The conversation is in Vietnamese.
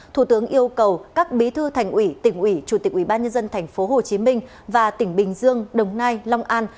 thủ tướng yêu cầu các bí thư thành ủy tỉnh ủy chủ tịch ubnd tp hcm và tỉnh bình dương đồng nai long an